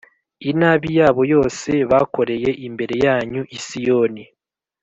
inabi yabo yose bakoreye imbere yanyu i Siyoni